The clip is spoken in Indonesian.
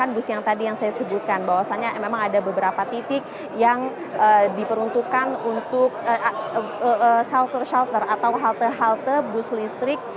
bus yang tadi yang saya sebutkan bahwasannya memang ada beberapa titik yang diperuntukkan untuk shelter shelter atau halte halte bus listrik